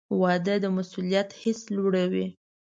• واده د مسؤلیت حس لوړوي.